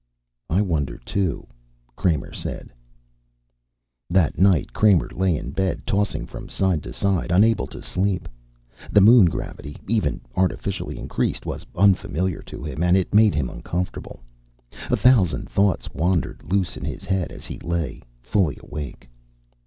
"I wonder, too," Kramer said. That night Kramer lay in bed, tossing from side to side, unable to sleep. The moon gravity, even artificially increased, was unfamiliar to him and it made him uncomfortable. A thousand thoughts wandered loose in his head as he lay, fully awake.